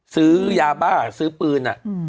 ซื้อยาบ้าซื้อปืน